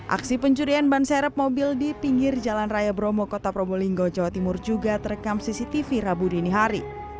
aksi pencurian ban serep mobil di pinggir jalan raya bromo kota probolinggo jawa timur juga terekam cctv rabu dini hari